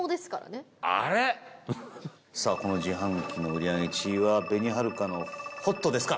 さあ、この自販機の売り上げ１位は紅はるかのホットですか？